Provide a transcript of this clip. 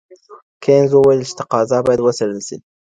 کینز وویل چې تقاضا باید وڅېړل سي.